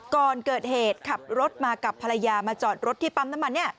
ก่อนเกิดเหตุขับรถมากับภรรยามาจอดรถที่ปั๊มน้ำมัน